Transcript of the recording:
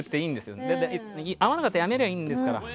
合わなかったらやめればいいんですから。